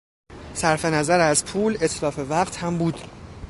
صرف نظر از پول، اتلاف وقت هم بود.